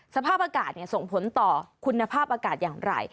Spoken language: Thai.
สภาพอากาศส่งผลต่อคุณภาพอากาศอย่างไร